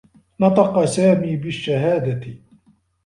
نطق سامي بالشّهادة.